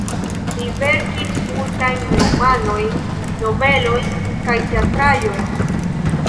Li verkis multajn romanojn, novelojn kaj teatraĵojn.